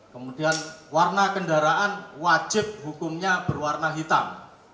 kemudian warna kendaraan wajib hukumnya berwarna hitam